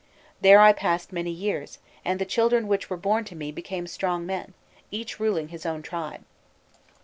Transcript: There I passed many years, and the children which were born to me became strong men, each ruling his own tribe.